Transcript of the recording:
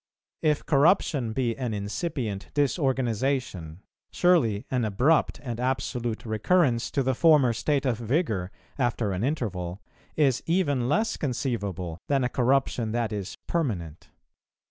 If corruption be an incipient disorganization, surely an abrupt and absolute recurrence to the former state of vigour, after an interval, is even less conceivable than a corruption that is permanent.